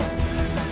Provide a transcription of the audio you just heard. pergi sama je taiwan